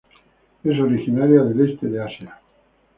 Es originaria del este de Asia.